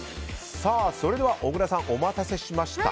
それでは小倉さんお待たせしました。